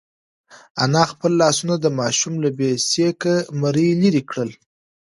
انا خپل لاسونه د ماشوم له بې سېکه مرۍ لرې کړل.